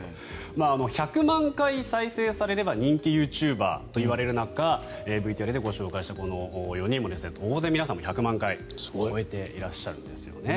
１００万回再生されれば人気ユーチューバーと呼ばれる中ＶＴＲでご紹介したこの４人も当然、皆さんも１００万回超えていらっしゃるんですね。